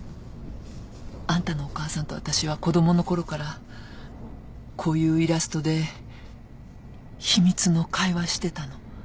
あんたのお母さんと私は子供のころからこういうイラストで秘密の会話してたの。